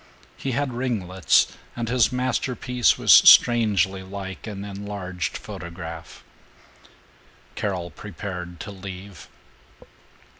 He had ringlets, and his masterpiece was strangely like an enlarged photograph. Carol prepared to leave.